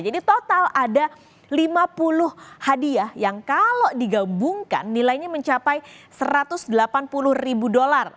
jadi total ada lima puluh hadiah yang kalau digabungkan nilainya mencapai satu ratus delapan puluh ribu dolar